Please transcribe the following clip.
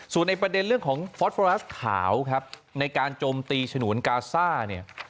ส่วนในประเด็นเรื่องของฟอสฟอรัสขาวครับในการโจมตีฉนวนกาซ่าเนี่ย